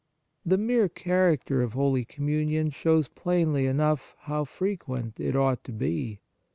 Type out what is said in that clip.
The mere character of Holy Com munion shows plainly enough how frequent it ought to be.